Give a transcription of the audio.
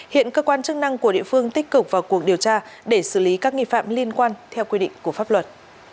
hiện cơ quan chức năng của địa phương tích cực vào cuộc điều tra để xử lý các nghị phạm liên quan theo quy định của pháp luật